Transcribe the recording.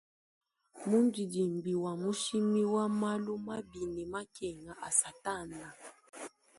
Mundidimbi wa mushimi wa malu mabi ne makenga a satana.